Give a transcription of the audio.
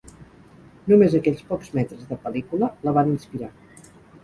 Només aquells pocs metres de pel·lícula la van inspirar.